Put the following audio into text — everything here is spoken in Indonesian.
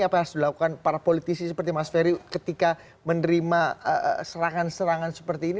apa yang harus dilakukan para politisi seperti mas ferry ketika menerima serangan serangan seperti ini